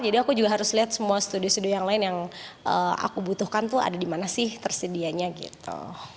jadi aku juga harus lihat semua studio studio yang lain yang aku butuhkan tuh ada di mana sih tersedianya gitu